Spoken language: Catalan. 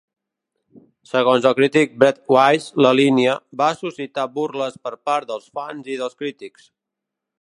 Segons el crític Brett Weiss, la línia "va suscitar burles per part dels fans i dels crítics".